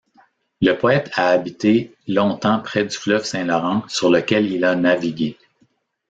Le poète a habité longtemps près du fleuve St-Laurent sur lequel il a navigué.